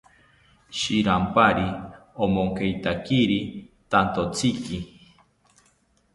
Shirampari omonkeitakiri tantotziki